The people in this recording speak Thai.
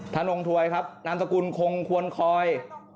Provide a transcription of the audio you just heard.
นงถวยครับนามสกุลคงควรคอย